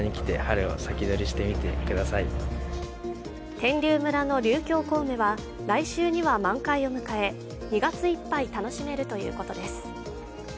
天龍村の竜峡小梅は、来週には満開を迎え、２月いっぱい楽しめるということです。